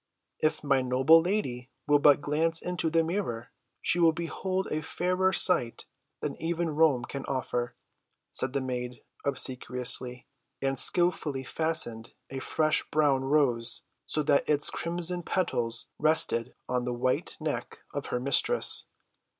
"If my noble lady will but glance into the mirror, she will behold a fairer sight than even Rome can offer," said the maid obsequiously, and skilfully fastened a fresh‐blown rose so that its crimson petals rested on the white neck of her mistress.